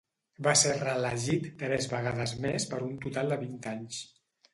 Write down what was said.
Va ser reelegit tres vegades més per un total de vint anys.